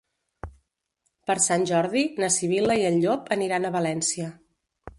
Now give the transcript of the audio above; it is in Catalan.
Per Sant Jordi na Sibil·la i en Llop aniran a València.